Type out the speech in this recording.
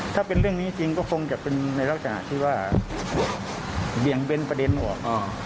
ถ้าเป็นเรื่องนี้จริงก็คงจะเป็นในลักษณะที่ว่าเบี่ยงเบ้นประเด็นออก